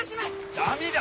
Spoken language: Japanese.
ダメだ！